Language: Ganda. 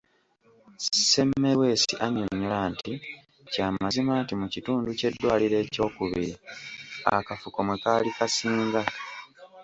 Semmelwesi annyonnyola nti, kya mazima nti mu kitundu ky’eddwaliro ekyokubiri akafuko mwe kaali kasinga.